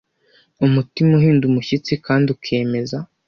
umutima uhinda umushyitsi kandi ukemeza